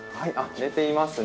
寝ていますねはい。